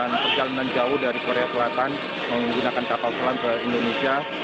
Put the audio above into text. dan perjalanan jauh dari korea selatan menggunakan kapal selam ke indonesia